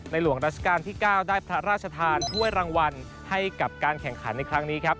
หลวงราชการที่๙ได้พระราชทานถ้วยรางวัลให้กับการแข่งขันในครั้งนี้ครับ